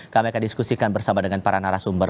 kami akan diskusikan bersama dengan para narasumber